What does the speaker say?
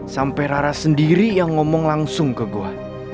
sampai rara sendiri yang ngomong langsung ke gua